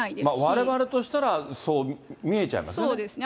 われわれとしたら、そう見えちゃいますね。